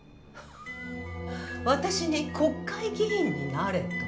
私に国会議員になれと？